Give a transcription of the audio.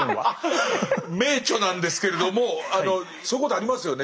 名著なんですけれどもそういうことありますよね。